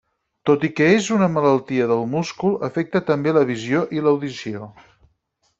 Tot i que és una malaltia del múscul afecta també la visió i l'audició.